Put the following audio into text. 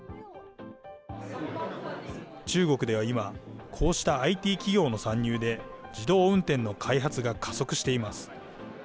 中国では今、こうしたＩＴ企業の参入で、自動運転の開発が加速しています。